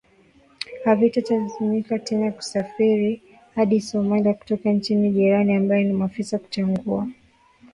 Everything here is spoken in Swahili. havitalazimika tena kusafiri hadi Somalia kutoka nchi jirani baada ya maafisa kutengua